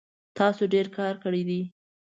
تاسو ډیر کار کړی دی